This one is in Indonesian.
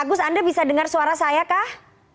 agus anda bisa dengar suara saya kah